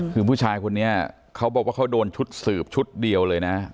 คือผู้ชายคนนี้เขาบอกว่าเขาโดนชุดสืบชุดเดียวเลยนะ